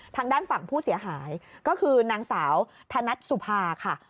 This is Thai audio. ทางด้านฝั่งผู้เสียหายก็คือนางสาวธนัดสุภาค่ะ